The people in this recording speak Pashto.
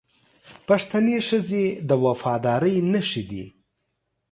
پښتنې ښځې د وفادارۍ نښې دي